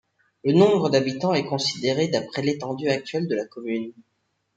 Le nombre d'habitants est considéré d'après l'étendue actuelle de la commune.